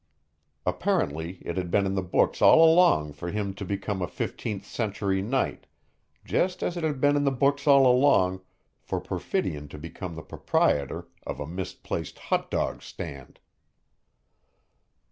Apparently it had been in the books all along for him to become a fifteenth century knight, just as it had been in the books all along for Perfidion to become the proprietor of a misplaced hot dog stand.